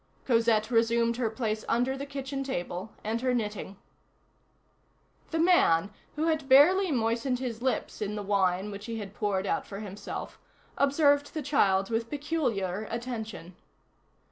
Cosette resumed her place under the kitchen table, and her knitting. The man, who had barely moistened his lips in the wine which he had poured out for himself, observed the child with peculiar attention.